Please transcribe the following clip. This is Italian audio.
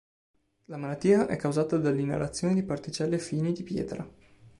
La malattia è causata dall'inalazione di particelle fini di pietra.